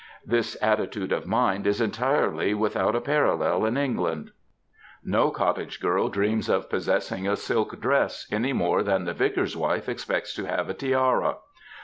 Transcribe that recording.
This attitude of mind is entirely without a parallel in England. No cottage girl dreams of possessing a silk dress, any more than the vicar'^s wife expects to have a tiara.